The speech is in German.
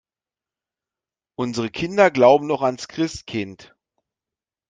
Unsere Kinder glauben noch ans Christkind.